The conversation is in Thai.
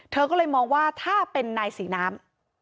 เธอก็เลยมองว่าถ้าเป็นนายศรีน้ำ